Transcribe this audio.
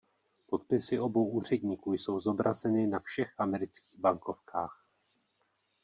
Podpisy obou úředníků jsou zobrazeny na všech amerických bankovkách.